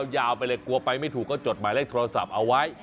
ยาวไปเลยกลัวไปไม่ถูกก็จดหมายเลขโทรศัพท์เอาไว้